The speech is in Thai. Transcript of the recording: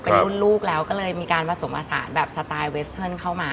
เป็นรุ่นลูกแล้วก็เลยมีการผสมผสานแบบสไตล์เวสเทิร์นเข้ามา